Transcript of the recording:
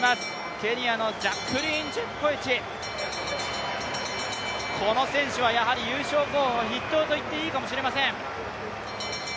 ケニアのジャックリーン・チェプコエチは優勝候補筆頭と言っていいかもしれません。